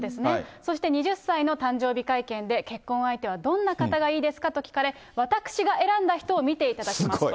そして２０歳の誕生日会見で、結婚相手はどんな方がいいですかと聞かれ、私が選んだ人を見ていただきますと。